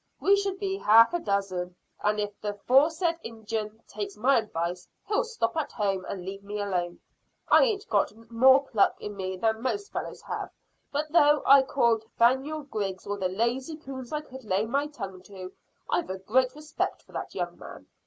We should be half a dozen, and if the 'foresaid Injun takes my advice he'll stop at home and leave me alone. I ain't got more pluck in me than most fellows have, but though I called 'Thaniel Griggs all the lazy coons I could lay my tongue to, I've a great respect for that young man.